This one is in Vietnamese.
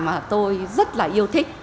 mà tôi rất là yêu thích